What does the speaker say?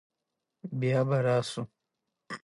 که خدای کول زه د څلورنیځې په ورځ درسم.